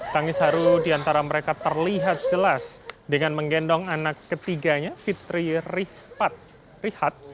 tangis haru diantara mereka terlihat jelas dengan menggendong anak ketiganya fitri rihat